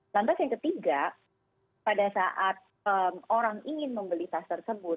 lantas yang ketiga pada saat orang ingin membeli tas tersebut